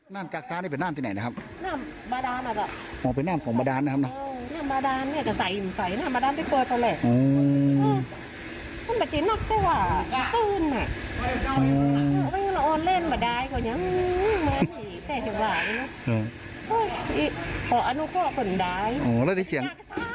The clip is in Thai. ไม่ทันคิดจริง